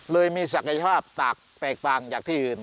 เลยมีศักยภาพตากแตกต่างจากที่อื่น